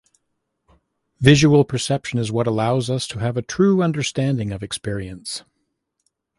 Visual perception is what allows us to have a true understanding of experience.